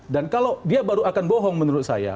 dan kalau dia baru akan bohong menurut saya